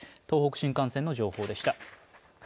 東北新幹線の情報でした。